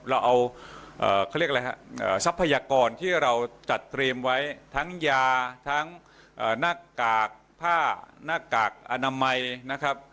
เราเอาสัพพยากรที่เราจัดเตรียมไว้ทั้งยาทั้งหน้ากากผ้าหน้ากากอนามัยนะครับ